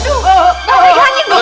aduh aduh aduh